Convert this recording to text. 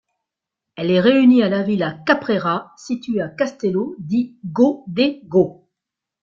Elle est réunie à la villa Caprera, située à Castello di Godego.